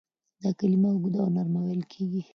دا کلمه اوږده او نرمه ویل کیږي.